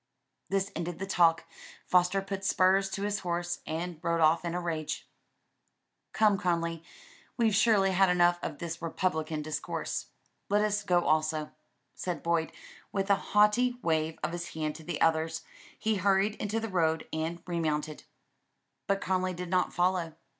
This ended the talk, Foster put spurs to his horse and rode off in a rage. "Come, Conly, we've surely had enough of this Republican discourse: let us go also," said Boyd, and with a haughty wave of his hand to the others, he hurried into the road and remounted. But Conly did not follow.